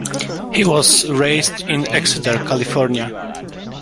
He was raised in Exeter, California.